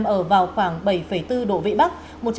ở vào khoảng bảy bốn độ vị bắc